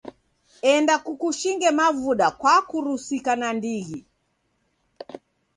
Enda kukushinge mavuda kwakurusika nandighi.